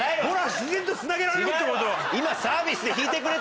自然とつなげられるってことは。